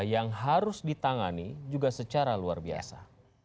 yang harus ditangani juga secara luar biasa